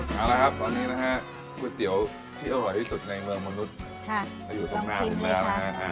เอาละครับตอนนี้นะฮะก๋วยเตี๋ยวที่อร่อยที่สุดในเมืองมนุษย์อยู่ตรงหน้าถึงแล้วนะฮะ